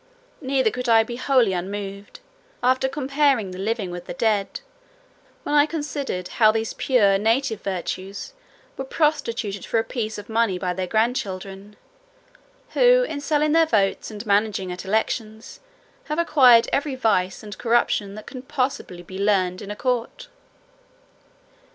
Neither could I be wholly unmoved, after comparing the living with the dead, when I considered how all these pure native virtues were prostituted for a piece of money by their grand children; who, in selling their votes and managing at elections, have acquired every vice and corruption that can possibly be learned in a court.